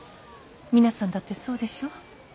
皆さんだってそうでしょう。